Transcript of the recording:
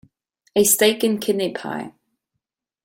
A steak-and-kidney pie.